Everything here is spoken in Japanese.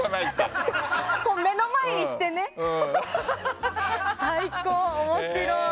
確かに、目の前にしてね。最高、面白い！